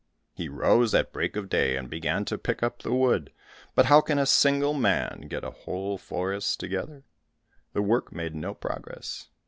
He rose at break of day, and began to pick up the wood, but how can a single man get a whole forest together? The work made no progress.